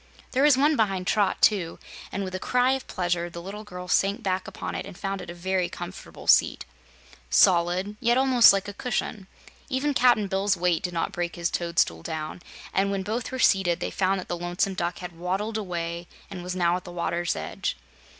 There was one behind Trot, too, and with a cry of pleasure the little girl sank back upon it and found it a very comfortable seat solid, yet almost like a cushion. Even Cap'n Bill's weight did not break his toadstool down, and when both were seated, they found that the Lonesome Duck had waddled away and was now at the water's edge.